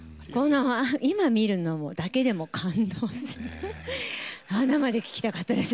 今見るのだけでも感動生で聴きたかったです